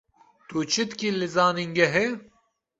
Tu çi dikî li zanîngehê?